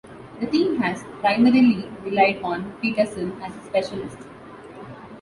The team has primarily relied on Peterson as a specialist.